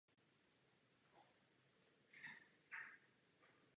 Existují určité zásady a metody, které je třeba zajistit.